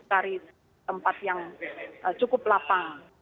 cari tempat yang cukup lapang